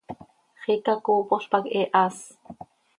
¡Xiica coopol pac he haas!